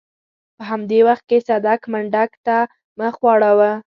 په همدې وخت کې صدک منډک ته مخ واړاوه.